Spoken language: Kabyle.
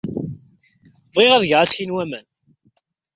Bɣiɣ ad geɣ aski n waman.